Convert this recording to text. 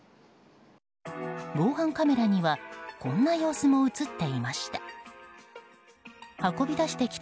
防犯カメラにはこんな様子も映っていました。